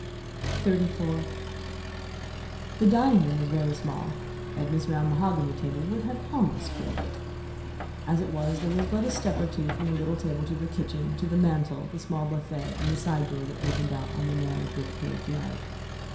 XXXIV The dining room was very small. Edna's round mahogany would have almost filled it. As it was there was but a step or two from the little table to the kitchen, to the mantel, the small buffet, and the side door that opened out on the narrow brick paved yard.